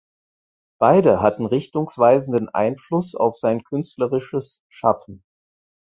Beide hatten richtungsweisenden Einfluss auf sein künstlerisches Schaffen.